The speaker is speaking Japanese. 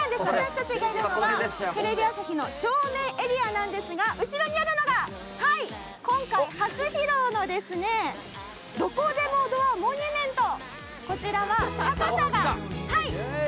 私たちがいるのはテレビ朝日の正面エリアですが後ろにあるのが今回、初披露のどこでもドアモニュメント。